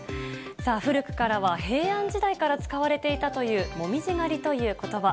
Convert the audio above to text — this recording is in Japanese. さあ、古くからは平安時代から使われていたという紅葉狩りということば。